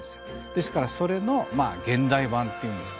ですからそれの現代版っていうんですかね。